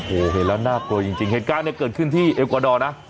โอ้โหเห็นแล้วน่ากลัวจริงเหตุการณ์เนี่ยเกิดขึ้นที่เอลกวาดอร์นะ